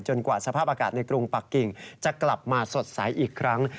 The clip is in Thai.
กว่าสภาพอากาศในกรุงปักกิ่งจะกลับมาสดใสอีกครั้ง